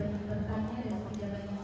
itu apa yang saudara pak